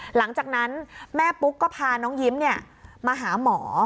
หลังจากนั้นแม่ปุ๊กก็พาน้องยิ้มมาหาหมอ